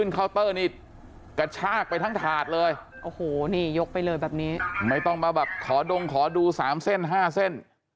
กระชากไปทั้งถาดเลยโอ้โหนี่ยกไปเลยแบบนี้ไม่ต้องมาแบบขอดงขอดูสามเส้นห้าเส้น